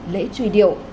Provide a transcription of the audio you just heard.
lễ truy điệu